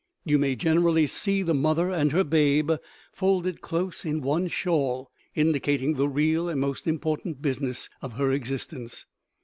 You may generally see the mother and her babe folded close in one shawl, indicating the real and most important business of her existence.